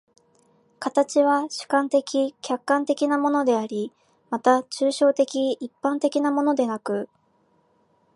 形は主観的・客観的なものであり、また抽象的一般的なものでなく、